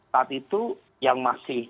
saat itu yang masih